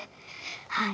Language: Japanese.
はい。